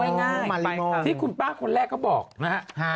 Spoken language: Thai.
ก็เซมาใส่ป้ายอืมทีนี้คนเสื้อเหลืองมันก็หันได้